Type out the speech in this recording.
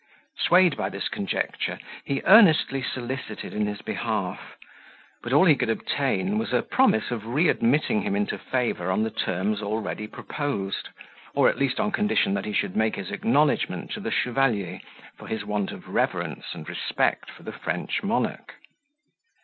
Swayed by this conjecture, he earnestly solicited in his behalf; but all he could obtain, was a promise of re admitting him into favour on the terms already proposed, or at least on condition that he should make his acknowledgment to the chevalier, for his want of reverence and respect for the French monarch.